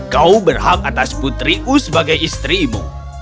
kau berhak atas putriku sebagai istrimu